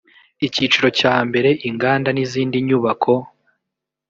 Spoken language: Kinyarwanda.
icyiciro cya mbere inganda n izindi nyubako